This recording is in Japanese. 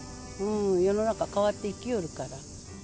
世の中、変わっていきよるから。